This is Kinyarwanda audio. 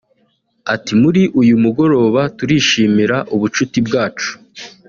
Ati “Muri uyu mugoroba turishimira ubucuti bwacu